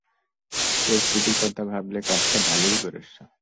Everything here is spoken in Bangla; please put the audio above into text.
পরিস্থিতির কথা ভাবলে কাজটা ভালই করেছ।